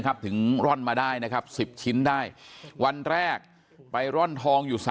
ถึงร่อนมาได้นะครับ๑๐ชิ้นได้วันแรกไปร่อนทองอยู่๓